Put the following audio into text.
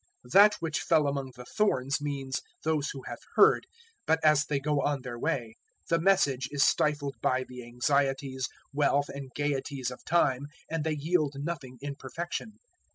008:014 That which fell among the thorns means those who have heard, but as they go on their way, the Message is stifled by the anxieties, wealth and gaieties of time, and they yield nothing in perfection.